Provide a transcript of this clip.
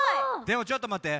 でもちょっとまって。